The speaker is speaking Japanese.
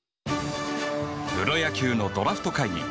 プロ野球のドラフト会議。